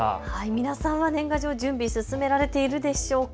皆さんは年賀状準備進められているでしょうか。